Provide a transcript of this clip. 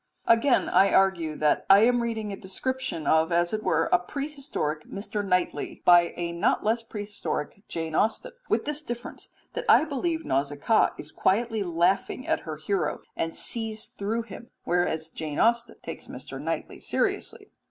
Again I argue that I am reading a description of as it were a prehistoric Mr. Knightley by a not less prehistoric Jane Austen with this difference that I believe Nausicaa is quietly laughing at her hero and sees through him, whereas Jane Austen takes Mr. Knightley seriously.